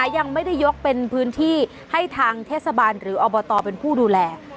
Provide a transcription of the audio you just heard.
ยังไม่ได้ยกเป็นพื้นที่ให้ทางเทศบาลหรืออบตเป็นผู้ดูแล